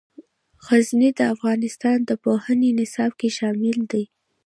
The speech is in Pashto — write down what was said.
غزني د افغانستان د پوهنې نصاب کې شامل دي.